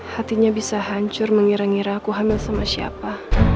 hatinya bisa hancur mengira ngira aku hamil sama siapa